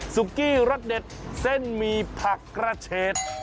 กี้รสเด็ดเส้นหมี่ผักกระเชษ